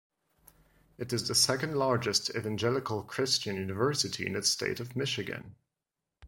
It is the second-largest Evangelical Christian University in the state of Michigan.